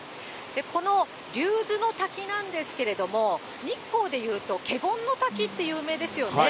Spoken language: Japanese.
この竜頭の滝なんですけれども、日光でいうと華厳滝って有名ですよね。